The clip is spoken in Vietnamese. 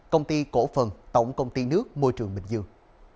công ty cổ phần tổng công ty nước môi trường bình dương